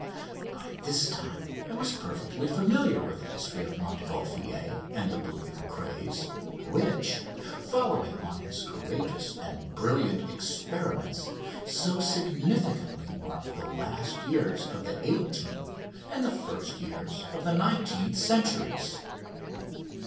By this time I was perfectly familiar with the history of Montgolfier and the balloon craze, which, following on his courageous and brilliant experiments, so significantly marked the last years of the eighteenth, and the first years of the nineteenth, centuries.